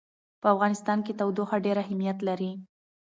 په افغانستان کې تودوخه ډېر اهمیت لري.